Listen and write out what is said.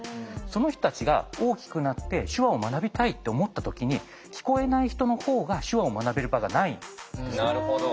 その人たちが大きくなって手話を学びたいと思った時に聞こえない人の方が手話を学べる場がないんですね。